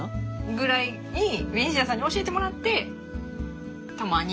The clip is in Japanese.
ぐらいにベニシアさんに教えてもらってたまに。